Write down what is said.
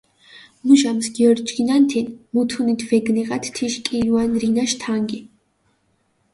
მუჟამს გიორჯგინანთინ, მუთუნით ვეგნიღათ თიშ კილუან რინაშ თანგი.